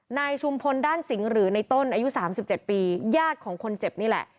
ชุมพลด้านสิงห์หรือในต้นอายุ๓๗ปีญาติของคนเจ็บนี่แหละ